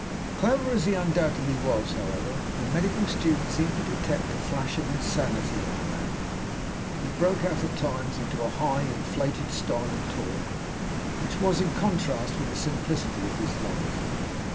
Clever as he undoubtedly was, however, the medical student seemed to detect a dash of insanity in the man. He broke out at times into a high, inflated style of talk which was in contrast with the simplicity of his life.